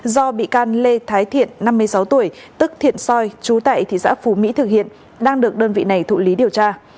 do bị can lê thái thiện năm mươi sáu tuổi tức thiện soi trú tại thị xã phú mỹ thực hiện đang được đơn vị này thụ lý điều tra